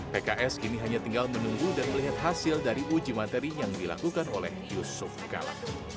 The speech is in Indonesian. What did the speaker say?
pks kini hanya tinggal menunggu dan melihat hasil dari uji materi yang dilakukan oleh yusuf kala